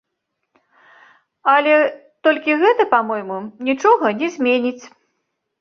Але толькі гэта, па-мойму, нічога не зменіць.